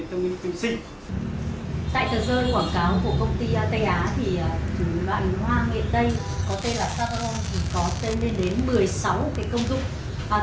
tại thời gian quảng cáo của công ty tây á thì chủ nghĩa loại lính hoa miền tây có tên là saffron thì có tên lên đến một mươi triệu đồng